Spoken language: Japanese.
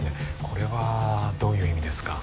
これはどういう意味ですか？